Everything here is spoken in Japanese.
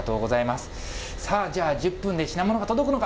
さあ、じゃあ、１０分で品物が届くのか？